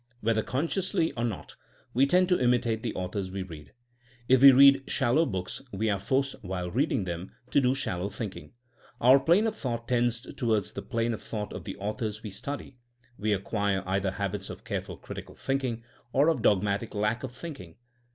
Whether consciously or not, we tend to imi tate the authors we read. If we read shallow books we are forced, while reading them, to do shallow thinking. Our plane of thought tends toward the plane of thought of the authors we study; we acquire either habits of careful crit ical thinking, or of dogmatic lack of thinking.